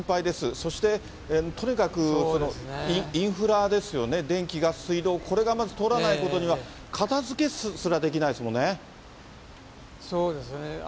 そして、とにかくインフラですよね、電気、ガス、水道、これがまず、通らないことには、そうですね。